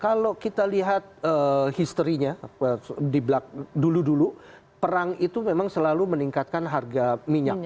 kalau kita lihat historinya dulu dulu perang itu memang selalu meningkatkan harga minyak